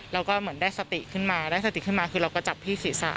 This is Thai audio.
แล้วก็เหมือนได้สติขึ้นมาได้สติขึ้นมาคือเราก็จับที่ศีรษะ